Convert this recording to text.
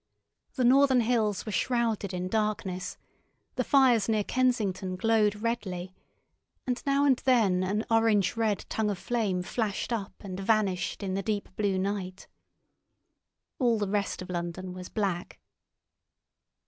The northern hills were shrouded in darkness; the fires near Kensington glowed redly, and now and then an orange red tongue of flame flashed up and vanished in the deep blue night. All the rest of London was black.